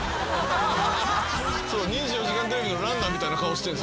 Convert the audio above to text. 『２４時間テレビ』のランナーみたいな顔してんすよ。